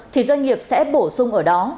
thì doanh nghiệp sẽ bổ sung ở đó